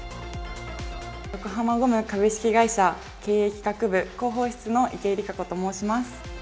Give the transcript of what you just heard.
横浜ゴム株式会社経営企画部広報室の池江璃花子と申します。